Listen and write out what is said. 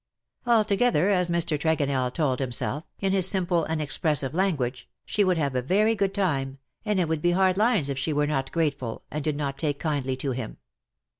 Altogether, as Mr. Tregonell told himself, in his simple and expressive language, she would have a very good time, and it would be hard lines if she were not grateful, and did not take kindly to him.